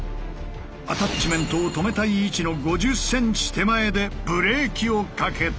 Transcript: アタッチメントを止めたい位置の５０ｃｍ手前でブレーキをかけた。